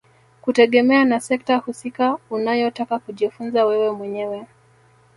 Kutegemea na sekta husika unayotaka kujifunza wewe mwenyewe